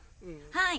はい！